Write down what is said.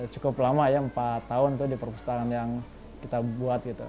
cukup lama ya empat tahun di perpustakaan yang kita buat gitu